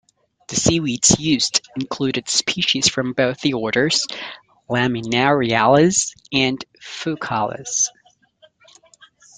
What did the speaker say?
The seaweeds used included species from both the orders Laminariales and Fucales.